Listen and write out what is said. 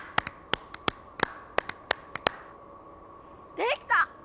できた！